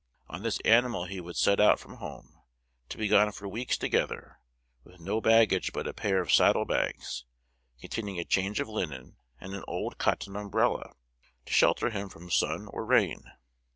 On this animal he would set out from home, to be gone for weeks together, with no baggage but a pair of saddle bags, containing a change of linen, and an old cotton umbrella, to shelter him from sun or rain.